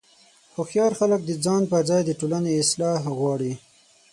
هوښیار خلک د ځان پر ځای د ټولنې اصلاح غواړي.